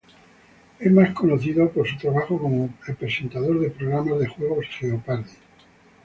Es más conocido por su trabajo como el presentador del programa de juegos "Jeopardy!